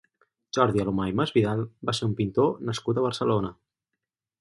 Jordi Alumà i Masvidal va ser un pintor nascut a Barcelona.